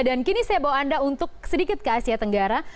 dan kini saya bawa anda untuk sedikit ke asia tenggara